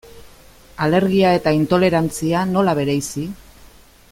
Alergia eta intolerantzia, nola bereizi?